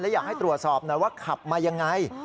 อยากให้ตรวจสอบหน่อยว่าขับมายังไง